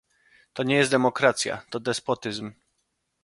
To nie jest demokracja, to despotyzm